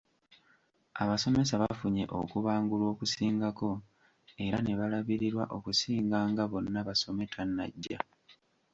Abasomesa bafunye okubangulwa okusingako era ne balabirirwa okusinga nga `Bonna Basome' tannajja.